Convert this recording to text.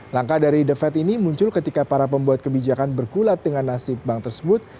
langkah dari the fed ini muncul ketika para pembuat kebijakan berkulat dengan nasib bank tersebut